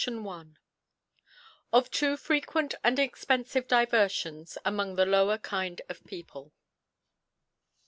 (6)^ S E C T. L Of too frequent and expenjive Diver * Jions among the Lower Kind of People.